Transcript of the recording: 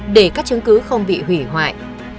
để các chứng cứ không bị hủy hoại